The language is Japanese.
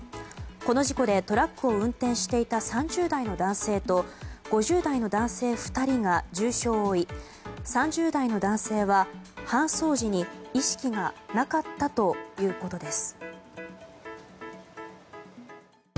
この事故で、トラックを運転していた３０代の男性と５０代の男性２人が重傷を負い３０代の男性は搬送時に意識がなかったということです。